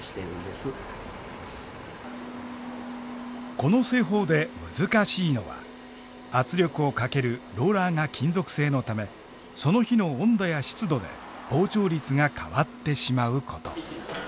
この製法で難しいのは圧力をかけるローラーが金属製のためその日の温度や湿度で膨張率が変わってしまうこと。